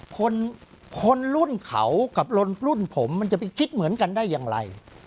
คนคนรุ่นเขากับรุ่นผมมันจะไปคิดเหมือนกันได้อย่างไร